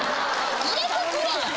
入れてくれや！